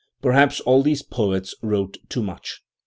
Per haps all these poets wrote too much.